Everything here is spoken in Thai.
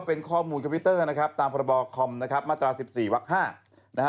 เป็นข้อมูลคอมพิวเตอร์ตามประบอบคอมมาตรา๑๔วัก๕